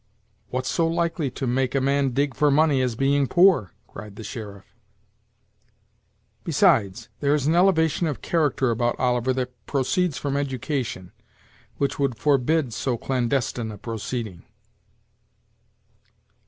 "What so likely to make a man dig for money as being poor?" cried the sheriff. "Besides, there is an elevation of character about Oliver that proceeds from education, which would forbid so clandestine a proceeding."